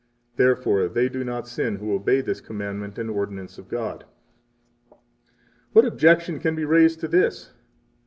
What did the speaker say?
Therefore they do not sin who obey this commandment and ordinance of God. 22 What objection can be raised to this?